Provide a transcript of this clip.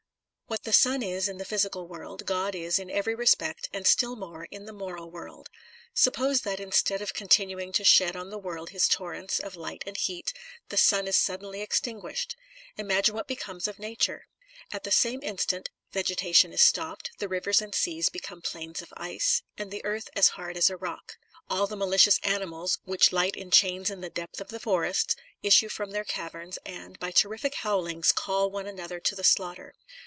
What the sun is in the physical world, God is in every respect, and still more, in the moral world. Suppose that instead of con tinuing to shed on the world his torrents of light and heat, the sun is suddenly exJn guished; imagine what becomes of nature? At the same instant, vegetation is stopped, the rivers and seas become plains of ice, and the In the Nineteenth Century. 275 earth as hard as a rock. All the malicious animals, which light enchains in the depth of the forests, issue from their caverns, and, by terrific howlings, call one another to the slaughter.